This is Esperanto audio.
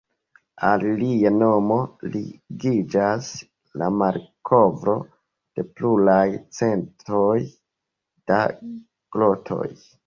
Al lia nomo ligiĝas la malkovro de pluraj centoj da grotoj.